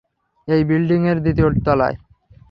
এই বিল্ডিং এর, দ্বিতীয় তলায়।